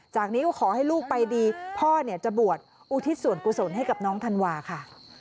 จากนี้ก็ขอให้ลูกไปดีพ่อเนี่ยจะบวชอุทิศส่วนกุศลให้กับน้องธันวาค่ะ